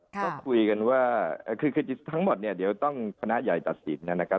คุยกันว่าคือทั้งหมดเดี๋ยวต้องพนักใหญ่ตัดสินนะครับ